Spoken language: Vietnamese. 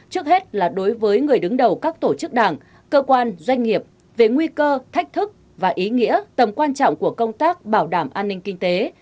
trước hết là đối với người đứng đầu các tổ chức đảng cơ quan doanh nghiệp về nguy cơ thách thức và ý nghĩa tầm quan trọng của công tác bảo đảm an ninh kinh tế